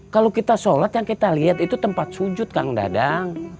kalau kita sholat yang kita lihat itu tempat sujud kang dadang